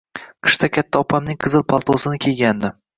Qishda katta opamning qizil paltosini kiygandim.